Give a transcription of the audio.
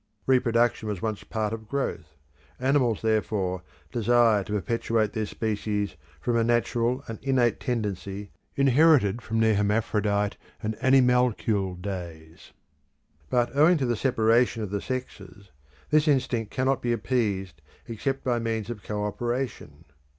Reproduction was once a part of growth: animals, therefore, desire to perpetuate their species from a natural and innate tendency inherited from their hermaphrodite and animalcule days. But owing to the separation of the sexes, this instinct cannot be appeased except by means of co operation.